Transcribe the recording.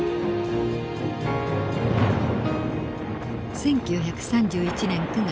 １９３１年９月。